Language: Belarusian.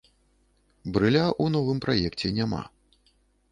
Брыля ў новым праекце няма.